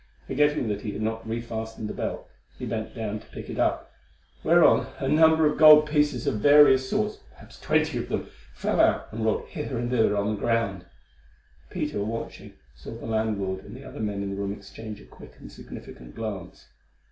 Forgetting that he had not re fastened the belt, he bent down to pick it up, whereon a number of gold pieces of various sorts, perhaps twenty of them, fell out and rolled hither and thither on the ground. Peter, watching, saw the landlord and the other men in the room exchange a quick and significant glance.